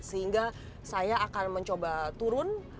sehingga saya akan mencoba turun